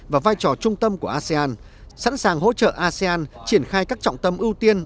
và vai trò trung tâm của asean sẵn sàng hỗ trợ asean triển khai các trọng tâm ưu tiên